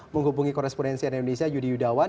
menghubungi koresponensi indonesia yudi yudawan